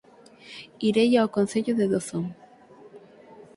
Irei ao Concello de Dozón